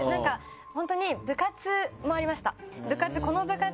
本当に部活もありました。